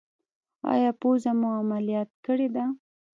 ایا پوزه مو عملیات کړې ده؟